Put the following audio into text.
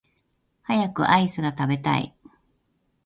早くアイスが食べたい